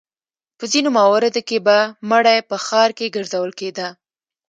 په ځینو مواردو کې به مړی په ښار کې ګرځول کېده.